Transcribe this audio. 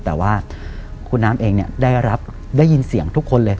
แต่ว่าคุณน้ำเองเนี่ยได้ยินเสียงทุกคนเลย